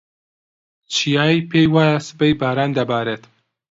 چیایی پێی وایە سبەی باران دەبارێت.